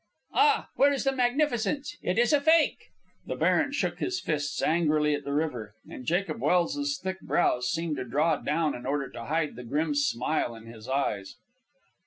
"Ah! Where is the magnificence? It is a fake!" The baron shook his fists angrily at the river, and Jacob Welse's thick brows seemed to draw down in order to hide the grim smile in his eyes.